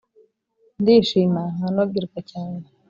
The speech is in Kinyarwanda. ndishima nkanogerwa cyane